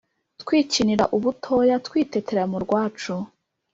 Twikinira ubutoya Twitetera mu rwacu